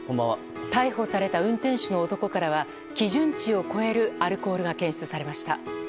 逮捕された運転手の男からは基準値を超えるアルコールが検出されました。